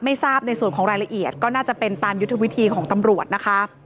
ไม่ทราบในส่วนของรายละเอียดก็น่าจะเป็นตามยุทธวิธีของตำรวจนะคะ